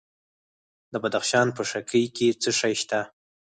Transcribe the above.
د بدخشان په شکی کې څه شی شته؟